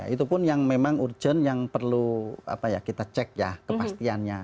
itu pun yang memang urgent yang perlu kita cek ya kepastiannya